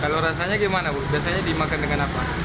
kalau rasanya gimana bu biasanya dimakan dengan apa